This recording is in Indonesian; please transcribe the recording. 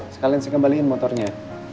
sekalian sih kembaliin motornya